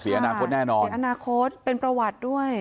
อนาคตแน่นอนเสียอนาคตเป็นประวัติด้วย